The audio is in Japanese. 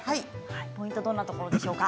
ポイントはどんなところでしょうか？